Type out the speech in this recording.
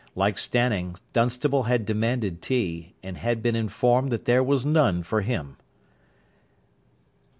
Like Stanning, Dunstable had demanded tea, and had been informed that there was none for him.